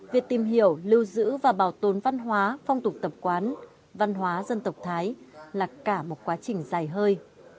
việc tìm hiểu lưu giữ và bảo tồn văn hóa phong tục tập quán văn hóa dân tộc thái là cả một quá trình dài hơi